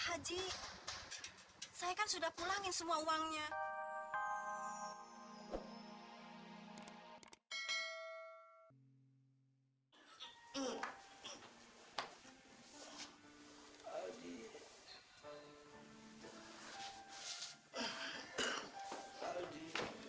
haji saya kan sudah pulangin semua uangnya ini hai ini